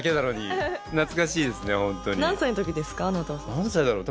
何歳だろう？